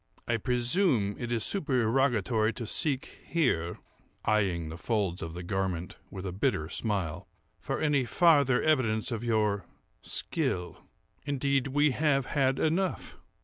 "I presume it is supererogatory to seek here (eyeing the folds of the garment with a bitter smile) for any farther evidence of your skill. Indeed, we have had enough.